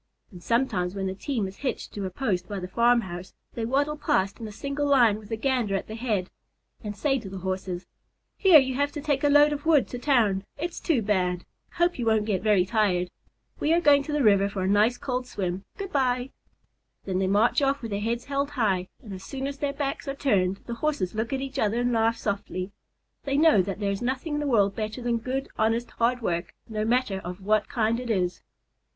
And sometimes, when the team is hitched to a post by the farmhouse, they waddle past in a single line with the Gander at the head, and say to the Horses: "Hear you have to take a load of wood to town. It's too bad. Hope you won't get very tired. We are going to the river for a nice cold swim. Good bye." Then they march off with their heads held high, and as soon as their backs are turned, the Horses look at each other and laugh softly. They know that there is nothing in the world better than good, honest, hard work, no matter of what kind it is.